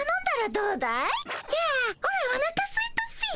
じゃあオラおなかすいたっピ。